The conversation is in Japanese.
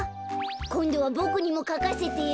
こんどはボクにもかかせてよ。